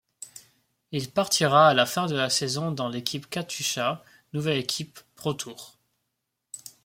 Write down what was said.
Il partira à la fin de la saison dans l'équipe Katusha, nouvelle équipe Pro-Tour.